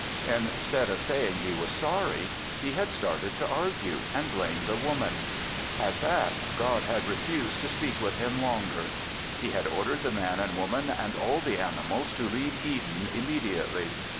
Instead of saying he was sorry, he had started to argue and blame the Woman. At that God had refused to speak with him longer. He had ordered the Man and Woman and all the animals to leave Eden immediately.